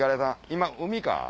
今海か？